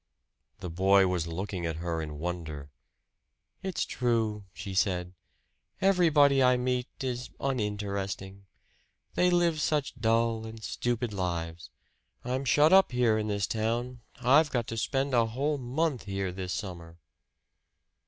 The boy was looking at her in wonder. "It's true," she said. "Everybody I meet is uninteresting they live such dull and stupid lives. I'm shut up here in this town I've got to spend a whole month here this summer!"